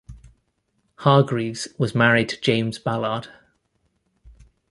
Hargreaves was married to James Ballard.